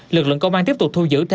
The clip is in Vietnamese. lực lượng công an tiếp tục thu giữ